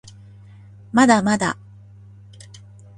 まだまだ